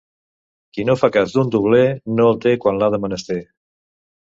Qui no fa cas d'un dobler, no el té quan l'ha de menester.